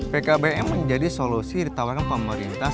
pkbm menjadi solusi ditawarkan pemerintah